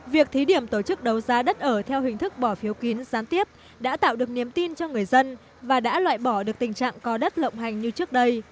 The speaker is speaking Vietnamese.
việc thí điểm tổ chức đấu giá đất ở theo hình thức bỏ phiếu kín gián tiếp đã tạo được niềm tin cho người dân và đã loại bỏ được tình trạng có đất lộng hành như trước đây